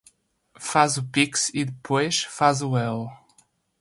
Faz o pix e depois faz o L